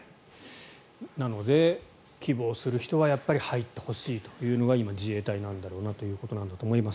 なので、希望する人はやっぱり入ってほしいというのが今、自衛隊なんだろうなということなんだと思います。